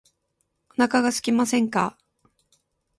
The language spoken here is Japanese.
お腹がすきませんか